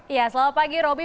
ya selamat pagi roby